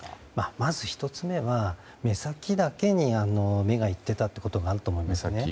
まず１つ目は、目先だけに目がいっていたというのがあると思います。